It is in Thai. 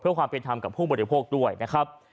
เพื่อความเป็นธรรมกับผู้บริโภคด้วยนะครับ